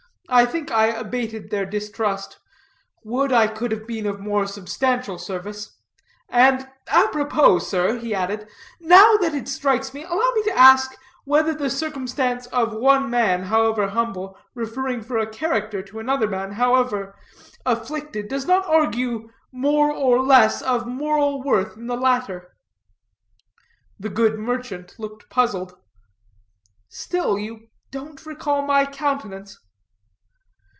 I think I abated their distrust. Would I could have been of more substantial service. And apropos, sir," he added, "now that it strikes me, allow me to ask, whether the circumstance of one man, however humble, referring for a character to another man, however afflicted, does not argue more or less of moral worth in the latter?" The good merchant looked puzzled. "Still you don't recall my countenance?"